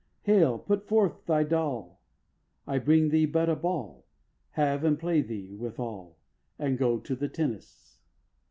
Hail! put forth Thy dall! I bring Thee but a ball, Have and play Thee withal. And go to the tennis.